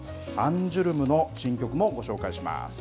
アンジュルムの新曲もご紹介します。